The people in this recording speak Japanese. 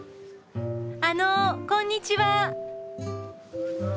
あのこんにちは。